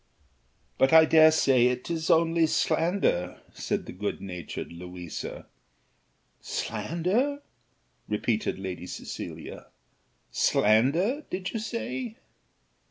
"But I dare say it is only slander," said the good natured Louisa. "Slander!" repeated Lady Cecilia, "slander did you say?"